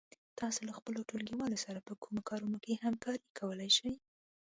تاسو له خپلو ټولگيوالو سره په کومو کارونو کې همکاري کولای شئ؟